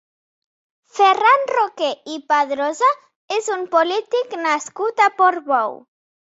Ferran Roquer i Padrosa és un polític nascut a Portbou.